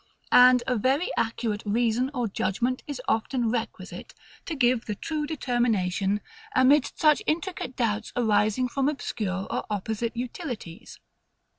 And a very accurate REASON or JUDGEMENT is often requisite, to give the true determination, amidst such intricate doubts arising from obscure or opposite utilities.